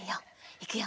いくよ。